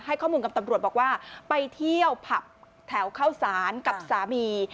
ข้อมูลกับตำรวจบอกว่าไปเที่ยวผับแถวเข้าสารกับสามี